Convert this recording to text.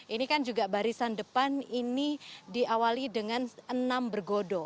ini kan juga barisan depan ini diawali dengan enam bergodo